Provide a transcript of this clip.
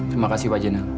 terima kasih pak jenel